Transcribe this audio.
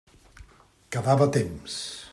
Quedava temps!